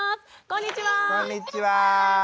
こんにちは。